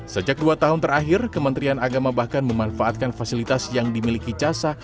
sejak dua tahun terakhir kementerian agama bahkan memanfaatkan fasilitas yang dimiliki casa